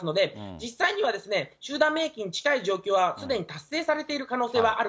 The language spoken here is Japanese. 実際には、集団免疫に近い状況は、すでに達成されている可能性はあ